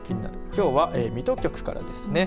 きょうは、水戸局からですね。